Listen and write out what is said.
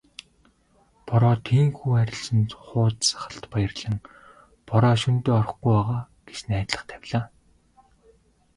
Бороо тийнхүү арилсанд хууз сахалт баярлан "Бороо шөнөдөө орохгүй байгаа" гэж найдлага тавилаа.